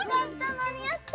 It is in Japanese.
間に合った。